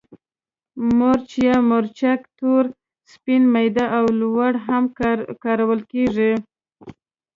مرچ یا مرچک تور، سپین، میده او لواړ هم کارول کېږي.